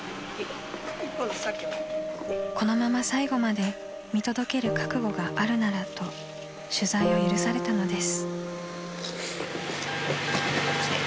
［このまま最後まで見届ける覚悟があるならと取材を許されたのです］